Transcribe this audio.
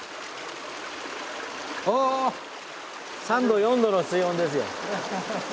おおっ３度４度の水温ですよ。